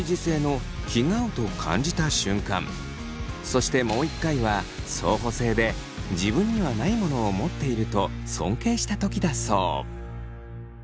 そしてもう一回は相補性で自分にはないものを持っていると尊敬した時だそう。